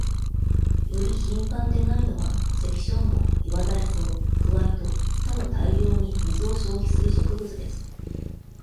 より頻繁でないのは、セキショウモ、イワダレソウ、クワイと他の大量に水を消費する植物です。